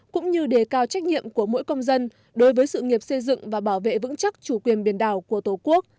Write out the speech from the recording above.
cũng như đề cao trách nhiệm của mỗi công dân đối với sự nghiệp xây dựng và bảo vệ vững chắc chủ quyền biển đảo của tổ quốc